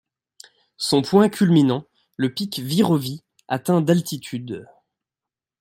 Son point culminant, le pic Virovi, atteint d'altitude.